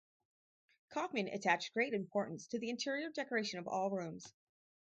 Kaufmann attached great importance to the interior decoration of all rooms.